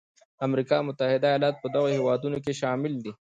امریکا متحده ایالات په دغو هېوادونو کې شامل دی.